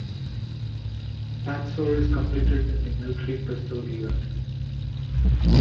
Patsouris competed in the military pistol event.